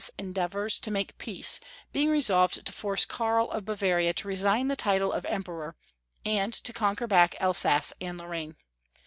's endeavors to make peace, being resolved to force Karl of Ba varia to resign the title of Emperor, and to con quer back Elsass and Lorraine.